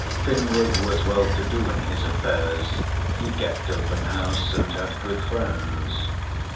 Finnward was well to do in his affairs, he kept open house and had good friends.